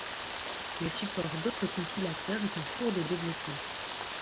Le support d'autres compilateurs est en cours de développement.